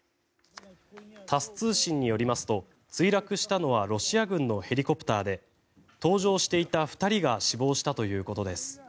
タス通信によりますと墜落したのはロシア軍のヘリコプターで搭乗していた２人が死亡したということです。